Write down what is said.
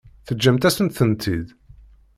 Teǧǧamt-asent-tent-id.